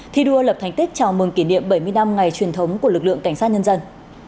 thi đua lập thành tích chào mừng kỷ niệm bảy mươi năm ngày truyền thống của lực lượng cảnh sát nhân dân